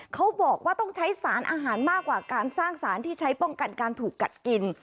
เขาบอกว่าต้องใช้สารอาหารมากกว่าการสร้างสารที่ใช้ป้องกันการถูกกัดกิน